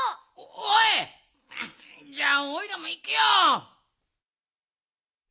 おいじゃあおいらもいくよ。